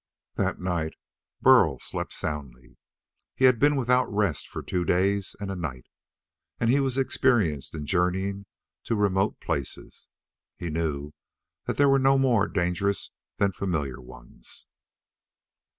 That night Burl slept soundly. He had been without rest for two days and a night. And he was experienced in journeying to remote places. He knew that they were no more dangerous than familiar ones.